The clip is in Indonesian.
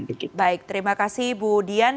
baik terima kasih bu dian